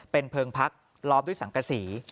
เป็นเพลิงพักล้อมด้วยสังกษี